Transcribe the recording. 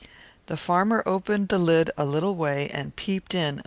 The farmer opened the lid a very little way, and peeped in.